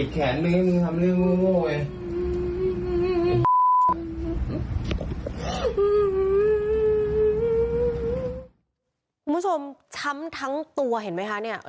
คุณผู้ชมช้ำทั้งตัวเห็นไหมคะเนี่ย